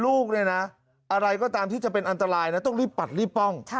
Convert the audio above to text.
ลูกเนี่ยนะอะไรก็ตามที่จะเป็นอันตรายนะต้องรีบปัดรีบป้อง